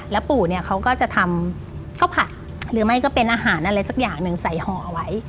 แล้วปู่เนี่ยเขาก็จะทำข้าวผัดหรือไม่ก็เป็นอาหารอะไรสักอย่างหนึ่งใส่ห่อไว้